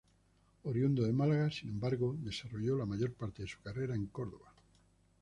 Oriundo de Málaga, sin embargo, desarrolló la mayor parte de su carrera en Córdoba.